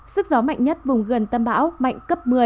sức gió mạnh nhất vùng gần tâm bão mạnh cấp một mươi